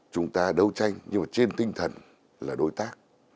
chúng ta đấu tranh nhưng mà trên tinh thần là đối tác